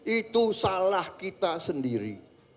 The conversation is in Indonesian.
itu salah kita sendiri